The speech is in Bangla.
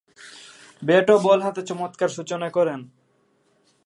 ব্যাট ও বল হাতে চমৎকার সূচনা করেন।